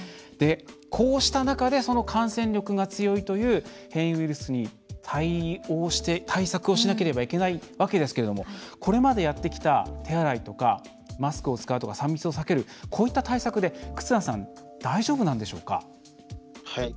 こうした中で、その感染力が強いという変異ウイルスに対応して、対策しなければいけないわけですけどこれまでやってきた手洗いとかマスクを使うとか３密を避ける、こういった対策で大丈夫なんでしょうか。